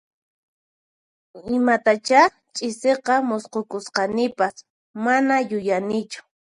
Imatachá ch'isiqa musqhukusqanipas, mana yuyanichu